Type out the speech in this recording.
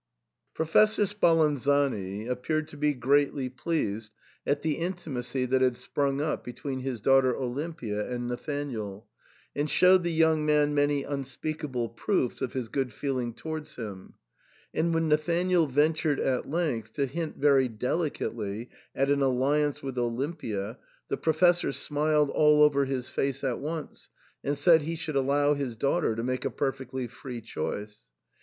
Professor Spalanzani appeared to be greatly pleased at the intimacy that had sprung up between his daugh ter Olimpia and Nathanael, and showed the young man many unmistakable proofs of his good feeling towards him ; and when Nathanael ventured at length to hint very delicately at an alliance with Olimpia, the Pro fessor smiled all over his face at once, and said he should allow his daughter to make a perfectly free choice.